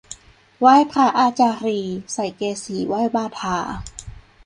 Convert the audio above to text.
ไหว้พระอาจารีย์ ใส่เกศีไหว้บาทา